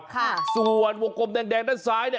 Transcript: ค่ะส่วนวงกลมแดงแดงด้านซ้ายเนี่ย